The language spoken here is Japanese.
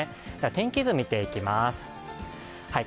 天気図を見ていきます。